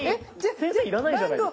先生要らないじゃないですか。